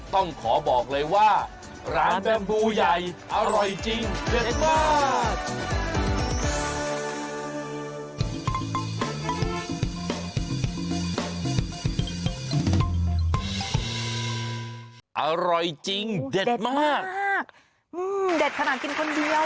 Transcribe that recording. ต้องขอบอกเลยว่าร้านแบมูใหญ่อร่อยจริงเด็ดมาก